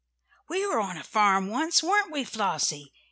"We were on a farm once, weren't we, Flossie?"